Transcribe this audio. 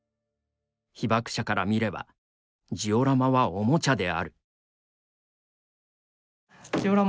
被爆者から見ればジオラマはおもちゃである」。